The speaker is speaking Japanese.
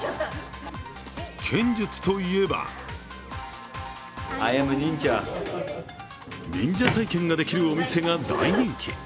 剣術といえば忍者体験ができるお店が大人気。